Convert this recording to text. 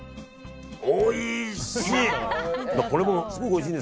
おいしい。